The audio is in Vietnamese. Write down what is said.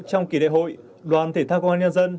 trong kỳ đại hội đoàn thể thao công an nhân dân